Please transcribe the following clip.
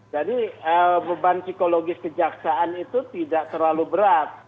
jadi beban psikologis kejaksaan itu tidak terlalu berat